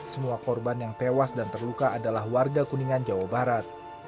semua korban yang tewas dan terluka adalah warga kuningan jawa barat